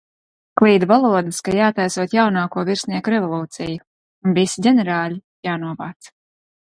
Klīda valodas, ka jātaisot jaunāko virsnieku revolūcija un visi ģenerāļi jānovāc.